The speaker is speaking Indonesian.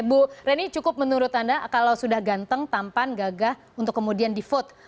bu reni cukup menurut anda kalau sudah ganteng tampan gagah untuk kemudian di vote